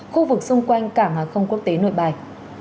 khu vực xung quanh cảng hàng không quốc tế nội bài